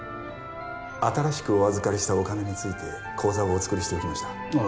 新しくお預かりしたお金について口座をお作りしておきましたあ